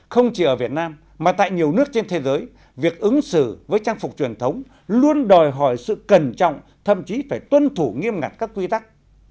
không chỉ ở việt nam mà tại nhiều nước trên thế giới việc ứng xử với trang phục truyền thống luôn đòi hỏi sự cẩn trọng thậm chí phải tuân thủ nghiêm ngặt các quy tắc